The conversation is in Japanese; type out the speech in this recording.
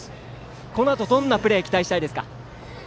このあとどんなプレー期待したいですか？